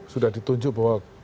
sudah ditunjuk bahwa